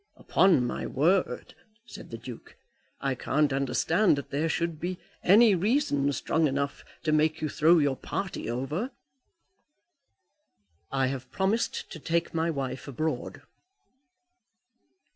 "Upon my word," said the Duke, "I can't understand that there should be any reason strong enough to make you throw your party over." "I have promised to take my wife abroad."